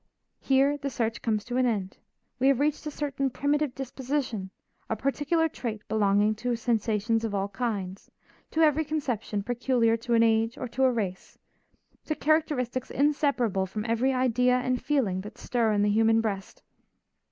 Here the search comes to an end. We have reached a certain primitive disposition, a particular trait belonging to sensations of all kinds, to every conception peculiar to an age or to a race, to characteristics inseparable from every idea and feeling that stir in the human breast.